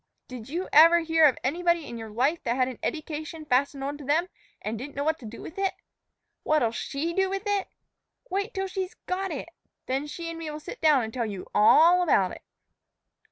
Did you ever hear of anybody in your life that had an eddication fastened on to 'em an' didn't know what t' do with it? What'll she do with it? Wait till she's got it. Then she an' me'll sit down an' tell you a a all about it."